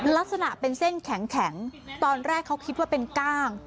ลักษณะเป็นเส้นแข็งตอนแรกเขาคิดว่าเป็นก้าง